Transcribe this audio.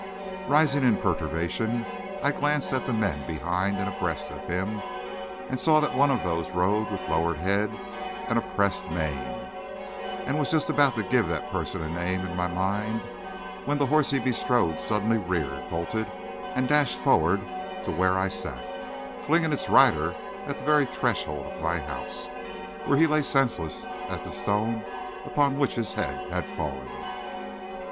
Rising in perturbation, I glanced at the men behind and abreast of him, and saw that one of these rode with lowered head and oppressed mien, and was just about to give that person a name in my mind when the horse he bestrode suddenly reared, bolted, and dashed forward to where I sat, flinging his rider at the very threshold of my house, where he lay senseless as the stone upon which his head had fallen.